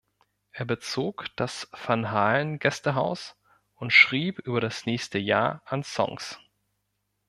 Er bezog das Van-Halen-Gästehaus und schrieb über das nächste Jahr an Songs.